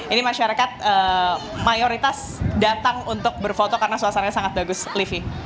ini masyarakat mayoritas datang untuk berfoto karena suasananya sangat bagus livi